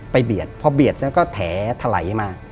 เบียดพอเบียดแล้วก็แถทะไหลมา